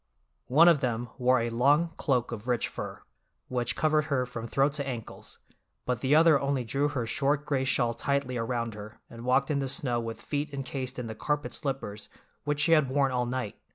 One of them wore a long cloak of rich fur, which covered her from throat to ankles, but the other only drew her short gray shawl tightly around her and walked in the snow with feet encased in the carpet slippers which she had worn all night.